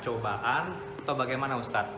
cobaan atau bagaimana ustadz